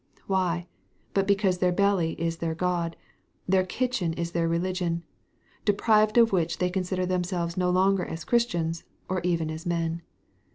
Why, but because their belly is their God, their kitchen is their religion; deprived of which they consider themselves no longer as Christians, or even as men.